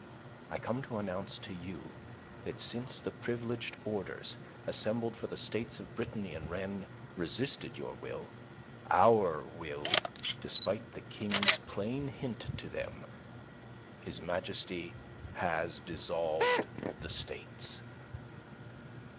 I come to announce to you that since the privileged orders, assembled for the States of Brittany in Rennes, resisted your will our will despite the King's plain hint to them, His Majesty has dissolved the States."